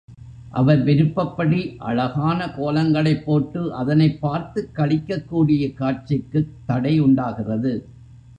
அவர் விருப்பப்படி அழகான கோலங்களைப் போட்டு அதனைப் பார்த்துக் களிக்கக் கூடிய காட்சிக்குத் தடை உண்டாகிறது.